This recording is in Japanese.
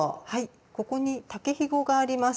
ここに竹ひごがあります。